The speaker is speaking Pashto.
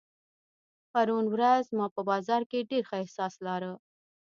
پرون ورځ ما په بازار کې ډېر ښه احساس لارۀ.